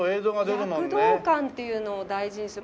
躍動感っていうのを大事にする。